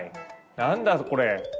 何だこれ？